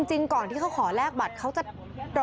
จริงก่อนที่เขาขอแลกบัตร